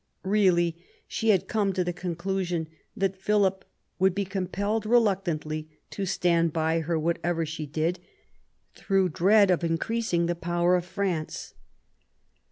Really, she had come to the conclusion that Philip would be compelled re lucantly to stand by her, whatever she did, through dread of increasing the power of France.